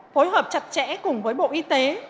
phối hợp chặt chẽ cùng với bộ y tế